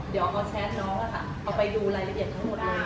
เดี๋ยวเอาแชทน้องเอาไปดูรายละเอียดทั้งหมดได้